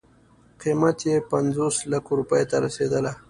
قیمت یې پنځوس لکو روپیو ته رسېدله.